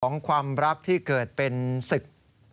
ของความรักที่เกิดเป็นศึก